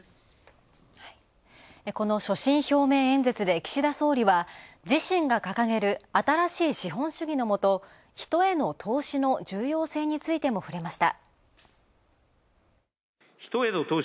この所信表明演説で岸田総理は自身が掲げる新しい資本主義のもと、人への投資の重要性についても触れました。